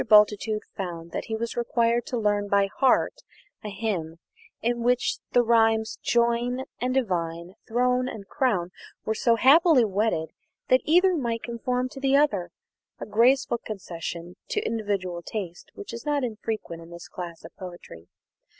Bultitude found that he was required to learn by heart a hymn in which the rhymes "join" and "divine," "throne" and "crown," were so happily wedded that either might conform to the other a graceful concession to individual taste which is not infrequent in this class of poetry.